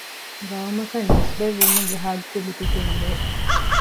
ޤައުމަކަށް ނިސްބަތް ވުމުގެ ޙައްޤު ލިބިގެންވޭ